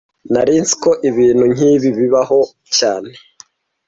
Sinari nzi ko ibintu nkibi bibaho cyane